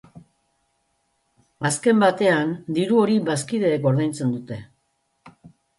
Azken batean, diru hori bazkideek ordaintzen dute.